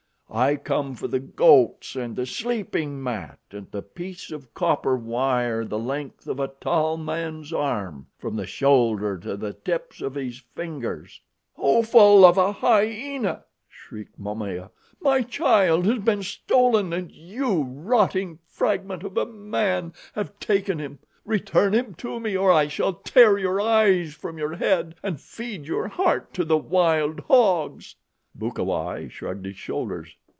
I come for the goats and the sleeping mat and the piece of copper wire the length of a tall man's arm from the shoulder to the tips of his fingers." "Offal of a hyena!" shrieked Momaya. "My child has been stolen, and you, rotting fragment of a man, have taken him. Return him to me or I shall tear your eyes from your head and feed your heart to the wild hogs." Bukawai shrugged his shoulders.